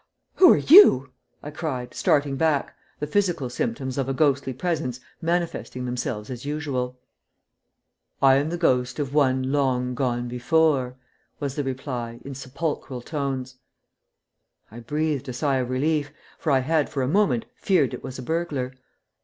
"Who are you?" I cried, starting back, the physical symptoms of a ghostly presence manifesting themselves as usual. "I am the ghost of one long gone before," was the reply, in sepulchral tones. I breathed a sigh of relief, for I had for a moment feared it was a burglar.